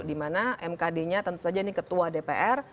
di mana mkd nya tentu saja ini ketua dpr